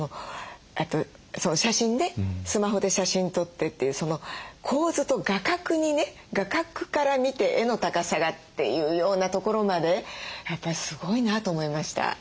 あと写真ねスマホで写真撮ってっていうその構図と画角にね画角から見て絵の高さがっていうようなところまでやっぱりすごいなと思いました。